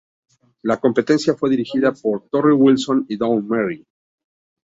La competencia fue dirigida por Torrie Wilson y Dawn Marie.